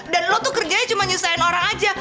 dan lo tuh kerjanya cuma nyusahin orang aja